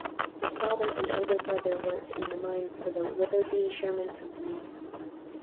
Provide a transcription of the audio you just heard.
His father and older brother worked in the mines for the Witherbee Sherman Company.